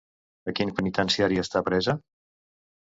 A quin penitenciari està presa?